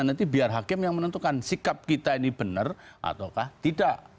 nanti biar hakim yang menentukan sikap kita ini benar ataukah tidak